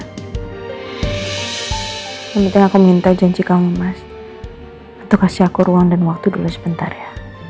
yang penting aku minta janji kamu mas untuk kasih aku ruang dan waktu dulu sebentar ya